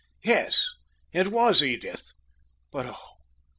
Yes, it was Edith! But, oh!